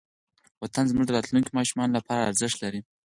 وطن زموږ د راتلونکې ماشومانو لپاره ارزښت لري.